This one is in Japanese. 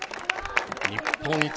日本一